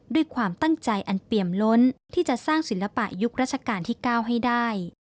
ด้วยความตั้งใจอันเปี่ยมล้นที่จะสร้างศิลปะยุครัชกาลที่๙ให้ได้